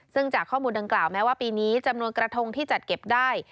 ซึ่งจากข้อมูลดังกล่าวแม้ว่าปีนี้จำนวนกระทงที่จัดเก็บได้